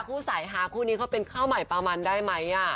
คู่สายฮาคู่นี้เขาเป็นข้าวใหม่ปลามันได้ไหม